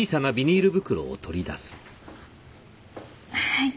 はい。